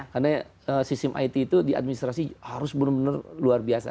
karena sistem it itu di administrasi harus benar benar luar biasa